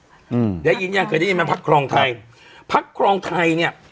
อืมได้ยินยังเคยได้ยินไหมพักครองไทยพักครองไทยเนี้ย